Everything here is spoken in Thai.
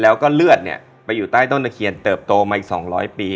แล้วก็เลือดเนี่ยไปอยู่ใต้ต้นตะเคียนเติบโตมาอีก๒๐๐ปี